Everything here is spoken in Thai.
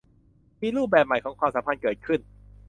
มีรูปแบบใหม่ของความสัมพันธ์เกิดขึ้น